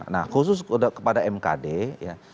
nah khusus kepada mkd ya